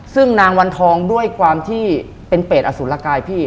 ซึ่งนางวันทองด้วยความที่เป็นเปรตอสุรกายพี่